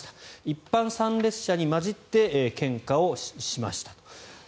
一般参列者に交じって献花をしました。